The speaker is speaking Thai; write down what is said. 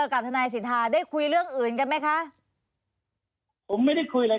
กับทนายสิทธาได้คุยเรื่องอื่นกันไหมคะผมไม่ได้คุยอะไร